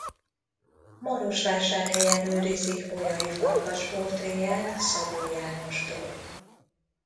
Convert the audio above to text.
Marosvásárhelyen őrizik Bolyai Farkas portréját Szabó Jánostól.